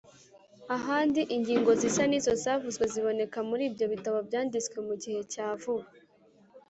ahandi ingingo zisa n’izo zavuzwe ziboneka muri ibyo bitabo byanditswe mu gihe cya vuba.